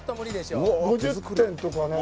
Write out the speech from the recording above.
５０点とかね。